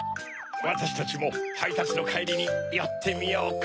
わたしたちもはいたつのかえりによってみようか。